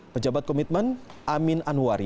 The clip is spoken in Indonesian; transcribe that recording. pejabat komitmen amin anwari